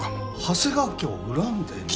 長谷川家を恨んでいる？